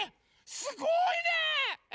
すごいね！